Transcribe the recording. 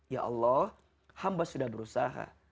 ya allah hamba sudah berusaha